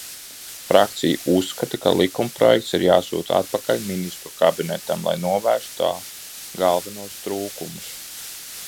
Frakcija uzskata, ka likumprojekts ir jāsūta atpakaļ Ministru kabinetam, lai novērstu tā galvenos trūkumus.